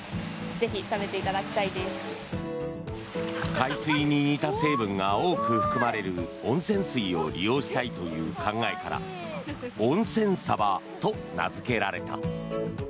海水に似た成分が多く含まれる温泉水を利用したいという考えから温泉サバと名付けられた。